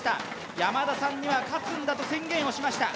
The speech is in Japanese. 山田さんには勝つんだと宣言をしました。